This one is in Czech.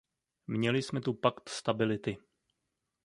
Měli jsme tu Pakt stability.